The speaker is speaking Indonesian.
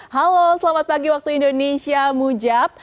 halo selamat pagi waktu indonesia mujab